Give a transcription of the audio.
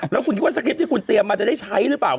แล้วคุณคิดว่าสคริปที่คุณเตรียมมาจะได้ใช้หรือเปล่า